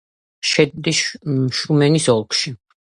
შედის შუმენის ოლქში.